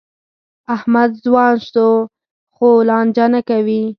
احمد ځوان شو؛ خو لانجه نه کوي.